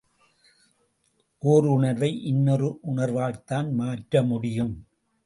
ஓர் உணர்வை இன்னொரு உணர்வால்தான் மாற்ற முடியும்.